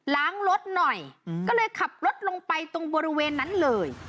ล้างรถหน่อยก็เลยขับรถลงไปตรงบริเวณนั้นเลย